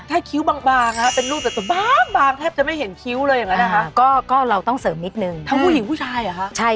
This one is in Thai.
อันนั้นคือขนครึบบ้างใช่